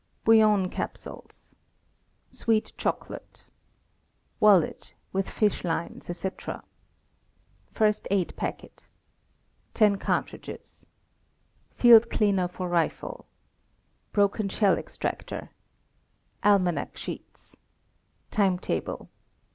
Bouillon capsules. Sweet chocolate. Wallet, with fish lines, etc. (See page 30.) First aid packet. 10 cartridges. Field cleaner for rifle. Broken shell extractor. Almanac sheets. Timetable.